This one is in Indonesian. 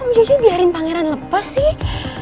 oh my god kok mijoyo biarin pangeran lepas sih